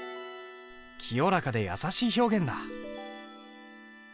清らかで優しい表現だ。